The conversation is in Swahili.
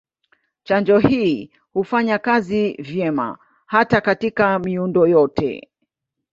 Chanjo hii hufanya kazi vyema hata katika miundo yote.